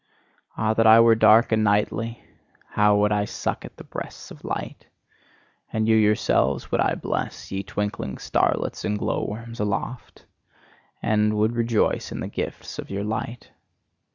Ah, that I were dark and nightly! How would I suck at the breasts of light! And you yourselves would I bless, ye twinkling starlets and glow worms aloft! and would rejoice in the gifts of your light.